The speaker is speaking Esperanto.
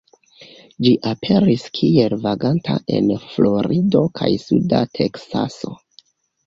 Ĝi aperis kiel vaganta en Florido kaj suda Teksaso.